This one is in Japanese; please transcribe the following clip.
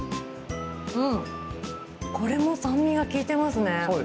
これも酸味が利いていますね。